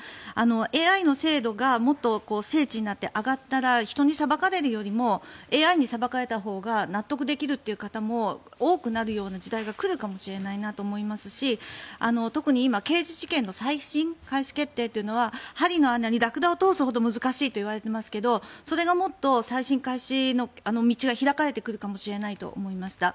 ＡＩの精度がもっと精緻になって上がったら人に裁かれるよりもＡＩに裁かれたほうが納得できるという方も多くなるような時代が来るかもしれないなと思いますし特に今、刑事事件の再審開始決定というのは針の穴にラクダを通すほど難しいといわれていますがそれがもっと再審開始の道が開かれてくるかもしれないと思いました。